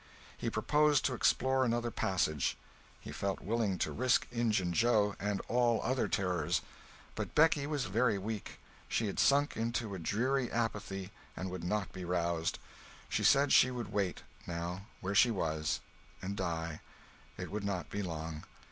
He proposed to explore another passage. He felt willing to risk Injun Joe and all other terrors. But Becky was very weak. She had sunk into a dreary apathy and would not be roused. She said she would wait, now, where she was, and die—it would not be long.